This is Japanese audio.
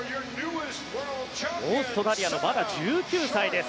オーストラリアのまだ１９歳です。